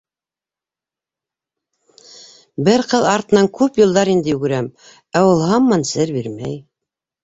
Бер ҡыҙ артынан күп йылдар инде йүгерәм, ә ул һаман сер бирмәй.